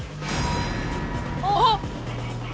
あっ！